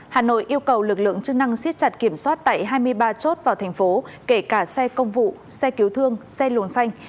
hà nội yêu cầu lực lượng chức năng siết chặt kiểm soát tại hai mươi ba chốt vào thành phố kể cả xe công vụ xe cứu thương xe luồng xanh